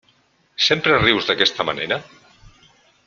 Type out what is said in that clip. Sempre rius d'aquesta manera?